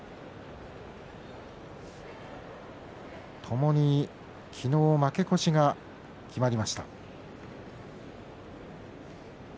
ともに昨日負け越しが決まりました。